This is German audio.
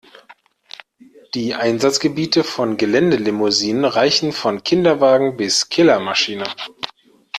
Die Einsatzgebiete von Geländelimousinen reichen von Kinderwagen bis Killermaschine.